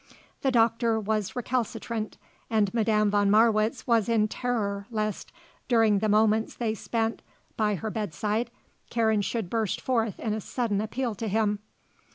The doctor was recalcitrant, and Madame von Marwitz was in terror lest, during the moments they spent by her bedside, Karen should burst forth in a sudden appeal to him.